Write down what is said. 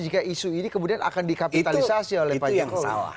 jika isu ini kemudian akan dikapitalisasi oleh pak jokowi